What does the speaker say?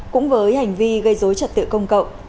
cũng với hành vi gây dối trật tự công cộng